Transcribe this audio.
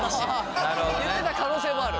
言ってた可能性もある？